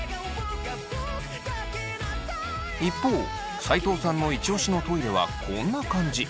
一方斎藤さんのイチオシのトイレはこんな感じ。